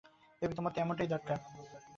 Baby, তোমার তো এমনটাই দরকার।